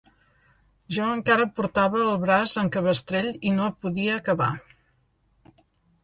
Jo encara portava el braç en cabestrell i no podia cavar